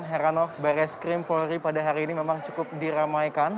heranok baris krim polri pada hari ini memang cukup diramaikan